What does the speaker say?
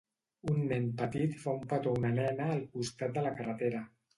Un nen petit fa un petó a una nena al costat de la carretera.